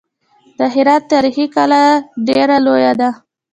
د هرات تاریخي کلا ډېره لویه ده.